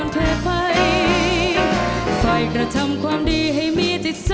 ชาติไทยคงไร้ความเสรี